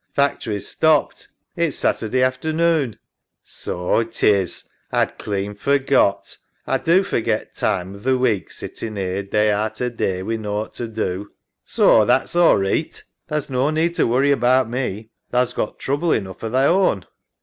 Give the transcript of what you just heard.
Factory's stopped. It's Saturday afternoon. SARAH. So 'tis. A'd clean forgot. A do forget time o' th' week sittin' 'ere day arter day wi' nought to do. EMMA. So that's all reeght. Tha's no need to worry about me. Tha's got trouble enough of thy own.